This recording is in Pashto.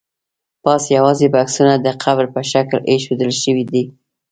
پاس یوازې بکسونه د قبر په شکل ایښودل شوي دي.